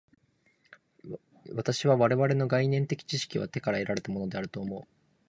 私は我々の概念的知識は手から得られたのであると思う。